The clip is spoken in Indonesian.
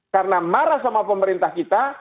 karena marah sama pemerintah kita